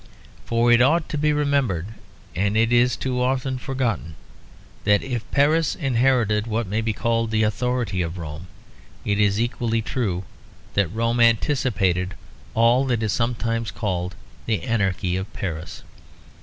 For it ought to be remembered (and it is too often forgotten) that if Paris inherited what may be called the authority of Rome, it is equally true that Rome anticipated all that is sometimes called the anarchy of Paris.